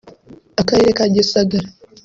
Akarere ka Gisagara